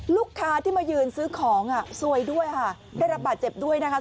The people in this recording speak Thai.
ลูกค้าที่มายืนซื้อของอ่ะซวยด้วยค่ะได้รับบาดเจ็บด้วยนะคะ